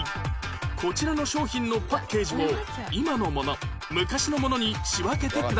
こちらの商品のパッケージを今のもの昔のものに仕分けてください